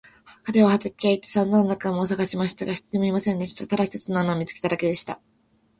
彼は畑へ行ってさんざん仲間をさがしましたが、一人もいませんでした。ただ一つの穴を見つけただけでした。